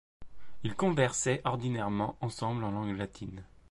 Ils conversaient ordinairement ensemble en langue latine.